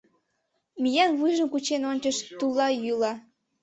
Миен вуйжым кучен ончыш — тулла йӱла.